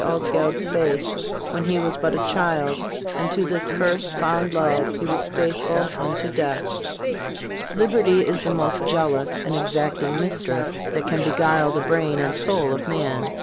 Altgeld's face when he was but a child, and to this first, fond love he was faithful unto death. Liberty is the most jealous and exacting mistress that can beguile the brain and soul of man.